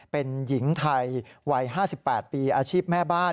เป็นหญิงไทยวัย๕๘ปีอาชีพแม่บ้าน